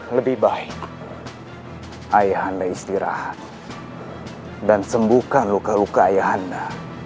lebih baik ayah anda istirahat dan sembuhkan luka luka ayah anda